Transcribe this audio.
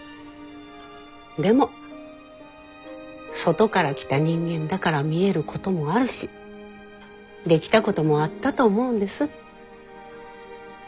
でも外から来た人間だから見えることもあるしできたこともあったと思うんです。